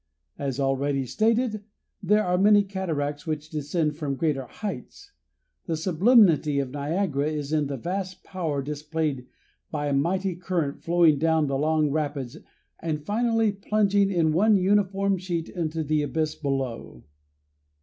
As already stated, there are many cataracts which descend from greater heights. The sublimity of Niagara is in the vast power displayed by a mighty current flowing down the long rapids and finally plunging in one uniform sheet into the abyss below.